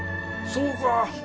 そうか。